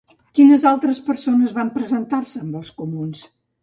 Quines altres persones van presentar-se amb els comuns?